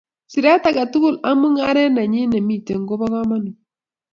Siret age tugul ak mung'aret nenyi nemitei ko bo kamanut